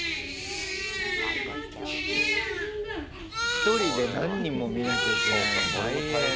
１人で何人も見なきゃいけないの大変。